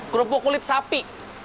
kerupuk kulit sapi